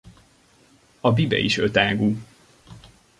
A bibe is ötágú.